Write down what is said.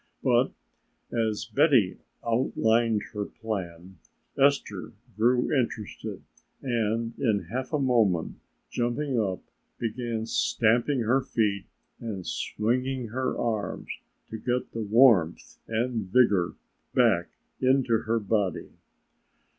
But as Betty outlined her plan Esther grew interested and in half a moment jumping up began stamping her feet and swinging her arms to get the warmth and vigor back into her body.